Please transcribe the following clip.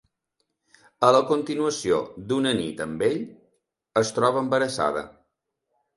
A la continuació d'una nit amb ell, es troba embarassada.